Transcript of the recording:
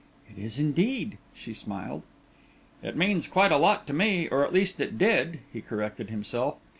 "It is indeed," she smiled. "It means quite a lot to me, or at least it did," he corrected himself.